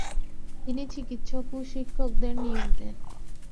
তিনি চিকিৎসক ও শিক্ষকদের নিয়োগ দেন।